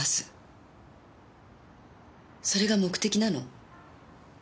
それが目的なの？